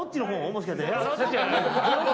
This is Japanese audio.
もしかして。